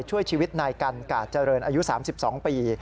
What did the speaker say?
ช่วยชีวิตนายกันกาดเจริญอายุ๓๒ปี